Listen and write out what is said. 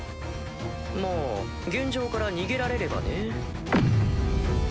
まあ現状から逃げられればね。